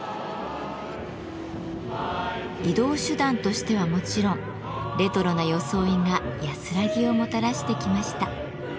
移動手段としてはもちろんレトロな装いが安らぎをもたらしてきました。